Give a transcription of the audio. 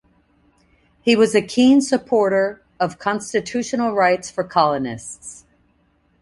He was a keen supporter of constitutional rights for colonists.